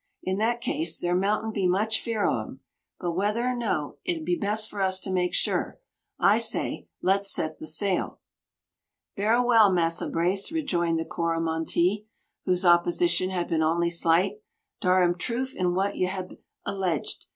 In that case there moutn't be much fear o' 'em; but whether or no, it be best for us to make sure. I say let's set the sail." "Berra well, Massa Brace," rejoined the Coromantee, whose opposition had been only slight. "Dar am troof in wha you hab 'ledged.